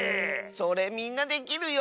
それみんなできるよ。